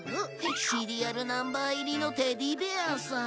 シリアルナンバー入りのテディベアさ。